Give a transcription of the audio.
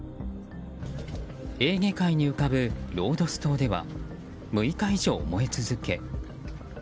エーゲ海に浮かぶロードス島では６日以上燃え続け。